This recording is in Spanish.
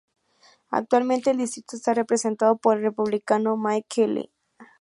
Actualmente el distrito está representado por el Republicano Mike Kelly.